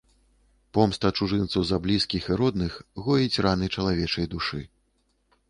Помста чужынцу за блізкіх і родных гоіць раны чалавечай душы.